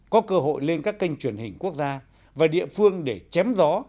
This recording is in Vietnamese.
có cơ hội lên các kênh truyền hình quốc gia và địa phương để chém gió